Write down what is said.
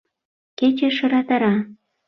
Кече шыратара.